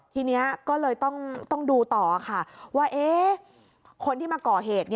ทีนี้ก็เลยต้องดูต่อค่ะว่าคนที่มาก่อเหตุ